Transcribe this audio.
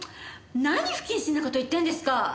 何不謹慎な事言ってんですか！